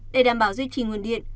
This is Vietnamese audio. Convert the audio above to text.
để đảm bảo duy trì nguồn điện